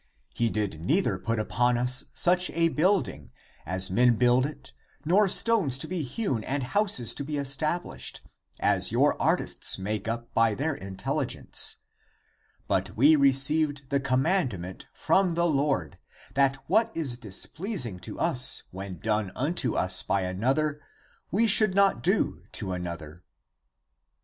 He did neither put upon us such a building, as men build it, nor stones to be hewn and houses to be estab lished, as your artists make up by their intelligence, but we received the commandment from the Lord, that what is displeasing to us when done unto us by another, we should not do to another.